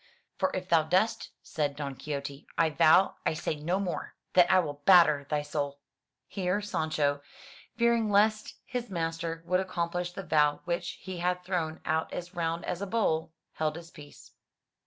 For if thou dost," said Don Quixote, "I vow, I say no more, that I will batter thy soul." Here Sancho, fearing lest his master would accomplish the vow which he had thrown out as round as a bowl, held his peace.